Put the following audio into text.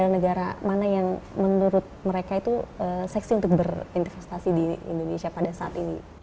negara mana yang menurut mereka itu seksi untuk berinvestasi di indonesia pada saat ini